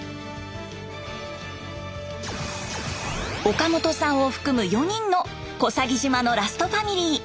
岡本さんを含む４人の小佐木島のラストファミリー。